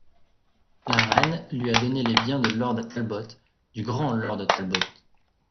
La Reine lui a donné les biens de Lord Talbot, du grand Lord Talbot !